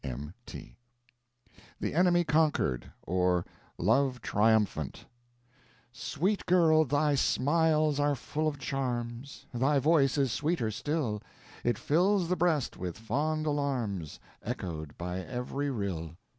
M.T.) THE ENEMY CONQUERED; OR, LOVE TRIUMPHANT Sweet girl, thy smiles are full of charms, Thy voice is sweeter still, It fills the breast with fond alarms, Echoed by every rill.